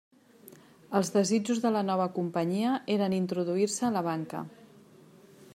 Els desitjos de la nova companyia eren introduir-se a la banca.